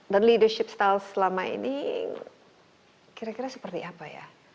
dan leadership style selama ini kira kira seperti apa ya